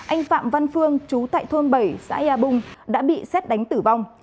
anh phạm văn phương chú tại thôn bảy xã ea bung đã bị xét đánh tử vong